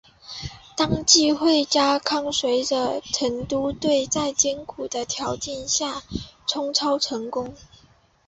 当季惠家康随成都队在艰苦的条件下冲超成功。